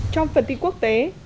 trong phần tin quốc tế